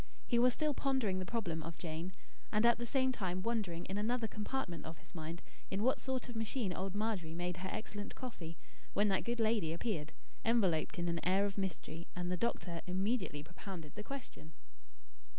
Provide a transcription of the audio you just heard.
He was still pondering the problem of Jane, and at the same time wondering in another compartment of his mind in what sort of machine old Margery made her excellent coffee, when that good lady appeared, enveloped in an air of mystery, and the doctor immediately propounded the question.